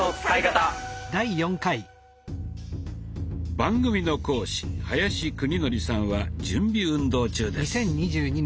番組の講師林久仁則さんは準備運動中です。